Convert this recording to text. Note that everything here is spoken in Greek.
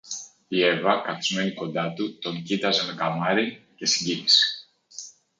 Η Εύα, καθισμένη κοντά του, τον κοίταζε με καμάρι και συγκίνηση